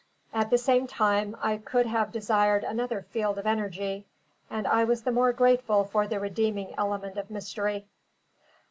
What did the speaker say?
At the same time, I could have desired another field of energy; and I was the more grateful for the redeeming element of mystery.